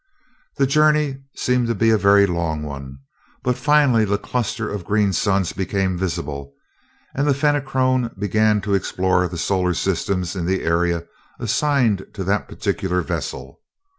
The journey seemed to be a very long one, but finally the cluster of green suns became visible and the Fenachrone began to explore the solar systems in the area assigned to that particular vessel.